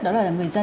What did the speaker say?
đó là người dân